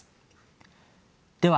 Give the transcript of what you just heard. では